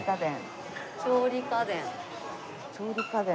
調理家電。